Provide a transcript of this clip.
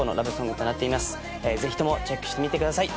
ぜひともチェックしてみてください。